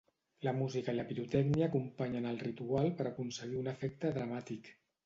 La música i la pirotècnia acompanyen el ritual per aconseguir un efecte dramàtic.